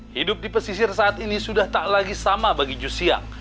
hidup di pesisir saat ini sudah tak lagi sama bagi jusia